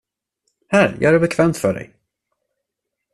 Här, gör det bekvämt för dig.